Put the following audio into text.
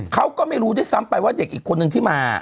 เขาก็ไม่รู้ด้วยซ้ำไปว่าเด็กอีกคนนึงที่มา